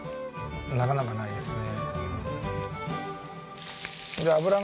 なかなかないですね。